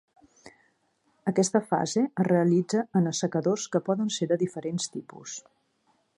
Aquesta fase es realitza en assecadors que poden ser de diferents tipus.